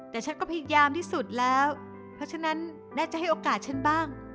แต่ฉันก็พยายามที่สุดแล้วเพราะฉะนั้นน่าจะให้โอกาสฉันบ้าง